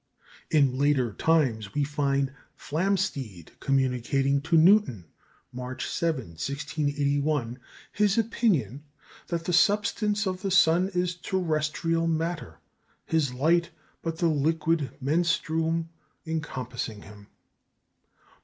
In later times we find Flamsteed communicating to Newton, March 7, 1681, his opinion "that the substance of the sun is terrestrial matter, his light but the liquid menstruum encompassing him."